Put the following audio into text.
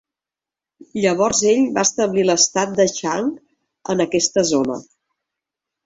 Llavors ell va establir l'estat de Chang en aquesta zona.